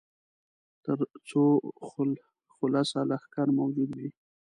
تر څو خلصه لښکر موجود وي.